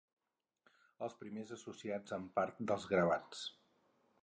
Els primers associats amb part dels gravats.